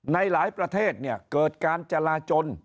ในหลายประเทศเนี่ยเกิดการจราจน